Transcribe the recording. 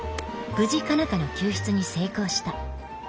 無事佳奈花の救出に成功した。